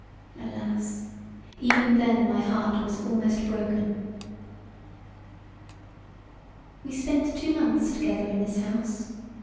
Alas! Even then my heart was almost broken. We spent two months together in this house.